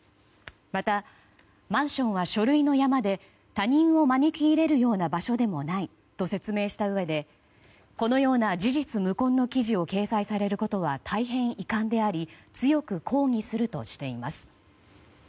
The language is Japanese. また、マンションは書類の山で他人を招き入れるような場所でもないと説明したうえでこのような事実無根の記事を掲載されることは大変遺憾であり強く抗議するとしています。